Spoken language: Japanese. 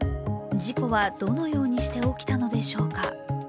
事故はどのようにして起きたのでしょうか。